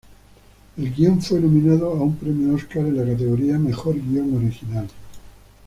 El guion fue nominado a un premio Oscar en la categoría Mejor Guion Original.